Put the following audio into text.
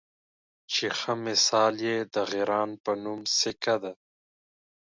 چې ښۀ مثال یې د غران پۀ نوم سیکه ده